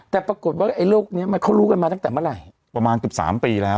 แต่ปรากฏว่าไอ้โลกเนี้ยมันเขารู้กันมาตั้งแต่เมื่อไหร่ประมาณเกือบ๓ปีแล้ว